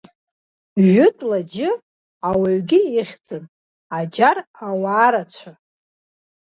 Жәытәла џь ауаҩгьы ихьӡын, аџьар ауаа рацәа.